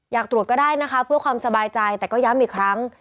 อยากตรวจก็ได้นะคะเพื่อความสบายใจแต่ก็ย้ำอีกครั้ง